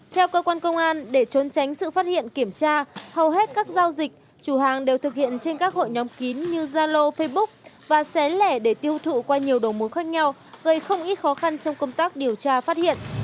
theo cơ quan công an để trốn tránh sự phát hiện kiểm tra hầu hết các giao dịch chủ hàng đều thực hiện trên các hội nhóm kín như zalo facebook và xé lẻ để tiêu thụ qua nhiều đầu mối khác nhau gây không ít khó khăn trong công tác điều tra phát hiện